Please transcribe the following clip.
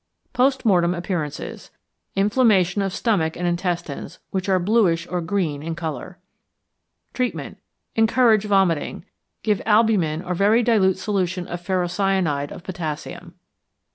Post Mortem Appearances. Inflammation of stomach and intestines, which are bluish or green in colour. Treatment. Encourage vomiting. Give albumin or very dilute solution of ferrocyanide of potassium.